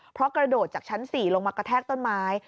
เพราะกระโดดจากชั้น๔ลงมากระแทกต้นไม้